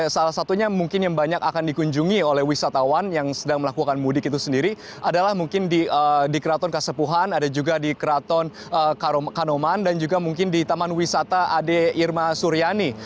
salah satunya mungkin yang banyak akan dikunjungi oleh wisatawan yang sedang melakukan mudik itu sendiri adalah mungkin di keraton kasepuhan ada juga di keraton kanoman dan juga mungkin di taman wisata ade irma suryani